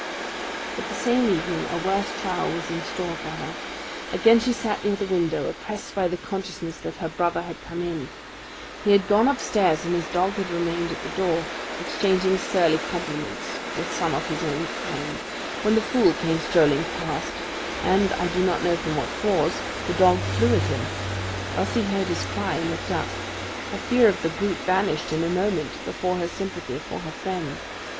But the same evening a worse trial was in store for her. Again she sat near the window, oppressed by the consciousness that her brother had come in. He had gone upstairs, and his dog had remained at the door, exchanging surly compliments with some of his own kind, when the fool came strolling past, and, I do not know from what cause, the dog flew at him. Elsie heard his cry and looked up. Her fear of the brute vanished in a moment before her sympathy for her friend.